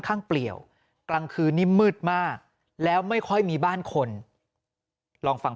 เปลี่ยวกลางคืนนี้มืดมากแล้วไม่ค่อยมีบ้านคนลองฟัง